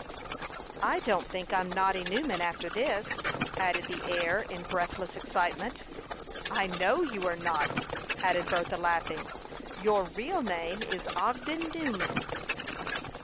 "I don't think I'm Noddy Newman after this," added the heir, in breathless excitement. "I know you are not," added Bertha, laughing. "Your real name is Ogden Newman."